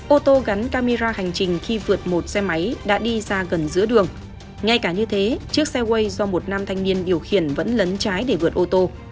ô tô gắn camera hành trình khi vượt một xe máy đã đi ra gần giữa đường ngay cả như thế chiếc xe way do một nam thanh niên điều khiển vẫn lấn trái để vượt ô tô